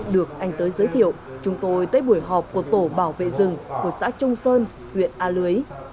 được anh tới giới thiệu chúng tôi tới buổi họp của tổ bảo vệ rừng của xã trung sơn huyện a lưới